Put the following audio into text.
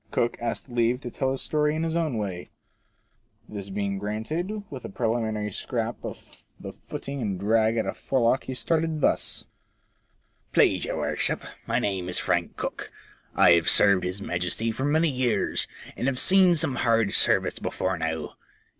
Cooke asked leave to tell his story in his own way. This being FORECASTLE TRAITS. 97 granted, with a preliminary scrape of the foot and drag at a forelock he started thus: "Please your worship, my name is Frank Cooke. I have served his Majesty for many years, and have seen some hard service before now.